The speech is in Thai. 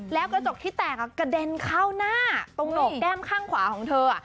แล้วกระจกที่แตกกระเด็นเข้าหน้าตรงโหนกแก้มข้างขวาของเธอ